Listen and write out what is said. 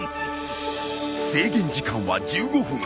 制限時間は１５分。